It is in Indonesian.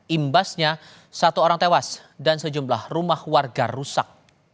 imbasnya satu orang tewas dan sejumlah rumah warga rusak